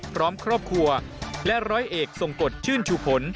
พร้อมครอบครัวและร้อยเอกทรงกฎชื่นชูผล